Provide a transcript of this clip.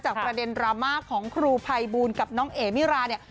ประเด็นดราม่าของครูภัยบูลกับน้องเอ๋มิราเนี่ย